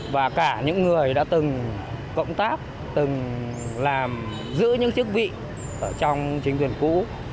và cả những người đã từng cộng tác từng giữ những chức vị trong chính quyền cũ